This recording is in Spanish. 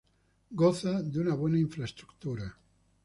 Goza de una buena infraestructura.